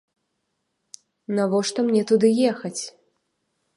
Навошта мне туды ехаць?